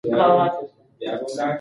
دا لاره ډیره پخوانۍ ده.